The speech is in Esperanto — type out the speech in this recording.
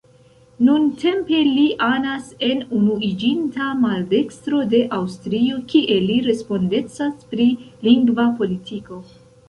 Nuntempe li anas en Unuiĝinta Maldekstro de Asturio kie li respondecas pri lingva politiko.